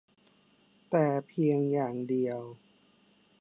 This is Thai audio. แต่เพียงอย่างเดียว